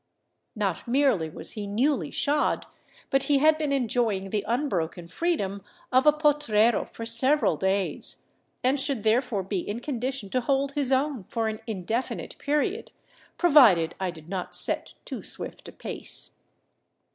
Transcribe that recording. Not merely was he newly shod, but he had been ' enjoying the unbroken freedom of a potrero for several days, and should therefore be in condition to hold his own for an indefinite period, provided I did not set too swift a pace.